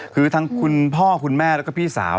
คือทั้งคุณพ่อคุณแม่แล้วก็พี่สาว